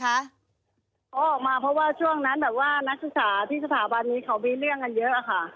เขาออกมาเพราะว่าช่วงนั้นแบบว่านักศึกษาที่สถาบันนี้เขามีเรื่องกันเยอะอะค่ะ